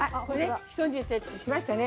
ひと煮立ちしましたね。